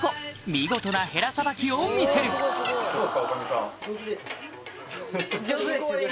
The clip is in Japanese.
見事なヘラさばきを見せる向こうで。